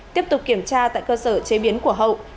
tiếp tục kiểm tra tại cơ sở chế biến của hậu